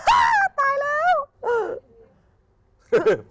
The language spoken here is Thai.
อ้าวตายแล้ว